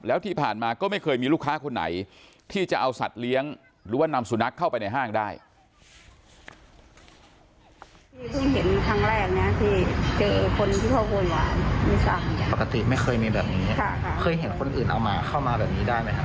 แล้วที่ผ่านมาก็ไม่เคยมีลูกค้าคนไหนที่จะเอาสัตว์เลี้ยงหรือว่านำสุนัขเข้าไปในห้างได้